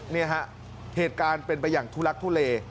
นี่ฮะเหตุการณ์เป็นไปอย่างทุลักทุเล